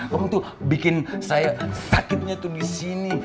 wong tuh bikin saya sakitnya tuh di sini